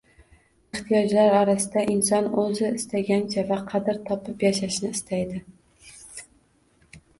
ehtiyojlar orasida inson o‘zi istagancha va qadr topib yashashni istaydi.